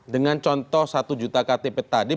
dengan contoh satu juta ktp tadi